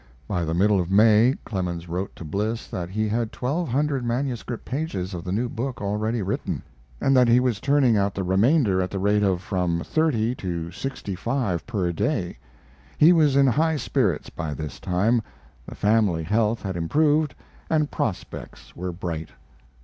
By the middle of May, Clemens wrote to Bliss that he had twelve hundred manuscript pages of the new book already written, and that he was turning out the remainder at the rate of from thirty to sixty five per day. He was in high spirits by this time. The family health had improved, and prospects were bright.